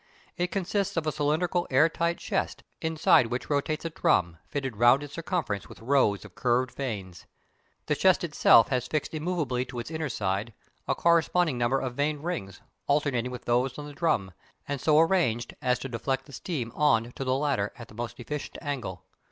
It consists of a cylindrical, air tight chest, inside which rotates a drum, fitted round its circumference with rows of curved vanes. The chest itself has fixed immovably to its inner side a corresponding number of vane rings, alternating with those on the drum, and so arranged as to deflect the steam on to the latter at the most efficient angle.